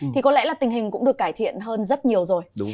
thì có lẽ là tình hình cũng được cải thiện hơn rất nhiều rồi